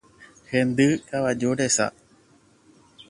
Hendy kavaju resa.